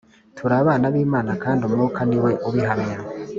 turi abana b'Imana"Kandi Umwuka ni we ubihamya,